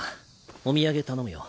お土産頼むよ。